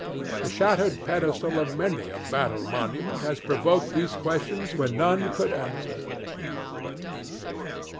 The shattered pedestal of many a battle monument has provoked these questions when none could answer.